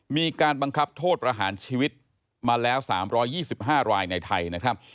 มีการบังคับโทษประหารชีวิตมาแล้ว๓๒๕รายในไทยนะครับ